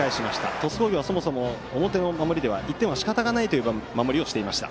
鳥栖工業はそもそも表の守りでは１点はしかたがないという守りをしていました。